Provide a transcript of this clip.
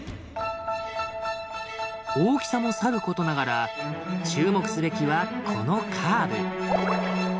大きさもさることながら注目すべきはこのカーブ。